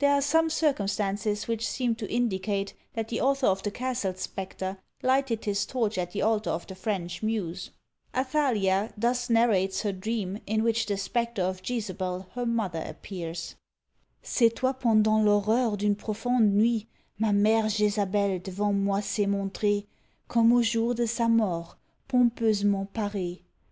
There are some circumstances which seem to indicate that the author of the Castle Spectre lighted his torch at the altar of the French muse. Athalia thus narrates her dream, in which the spectre of Jezabel, her mother, appears: C'étoit pendant l'horreur d'une profonde nuit, Ma mÃẀre Jezabel devant moi s'est montrée, Comme au jour de sa mort, pompeusement paree.